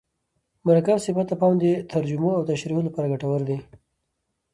مرکب صفت ته پام د ترجمو او تشریحو له پاره ګټور دئ.